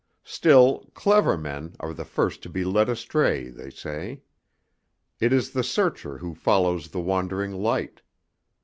Still, clever men are the first to be led astray, they say. It is the searcher who follows the wandering light.